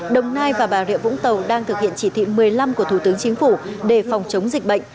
đồng nai và bà rịa vũng tàu đang thực hiện chỉ thị một mươi năm của thủ tướng chính phủ để phòng chống dịch bệnh